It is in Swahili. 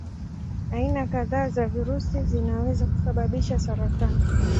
Aina kadhaa za virusi zinaweza kusababisha saratani.